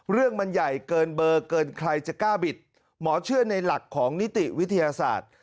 เรื่องมันใหญ่เกินเบอร์เกินใครจะกล้าบิดหมอเชื่อในหลักของนิติวิทยาศาสตร์